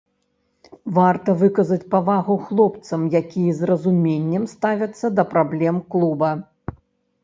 Варта выказаць павагу хлопцам, якія з разуменнем ставяцца да праблем клуба.